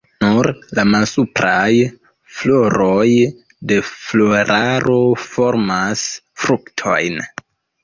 Nur la malsupraj floroj de floraro formas fruktojn.